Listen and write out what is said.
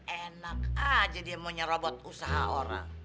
enak aja dia mau nyerobot usaha orang